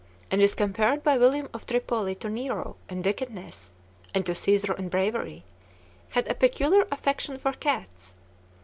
and is compared by William of Tripoli to Nero in wickedness, and to Caesar in bravery, had a peculiar affection for cats.